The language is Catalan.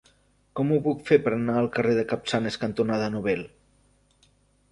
Com ho puc fer per anar al carrer Capçanes cantonada Nobel?